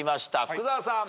福澤さん。